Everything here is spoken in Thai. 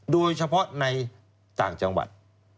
โดยเฉพาะในต่างจังหวัด